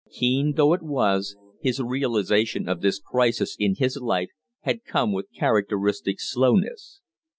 Keen though it was, his realization of this crisis in his life had come with characteristic slowness.